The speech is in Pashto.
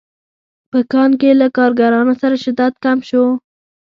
په کان کې له کارګرانو سره شدت کم شو